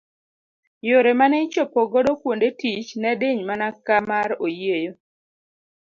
Yore mane ichopo godo kuonde tich ne diny mana ka mar oyieyo.